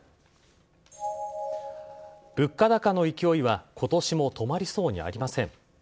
物価高の勢いは今年も止まりそうにありません。